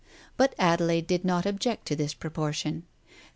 But Adelaide did not object to this proportion.